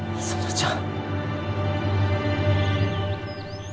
園ちゃん。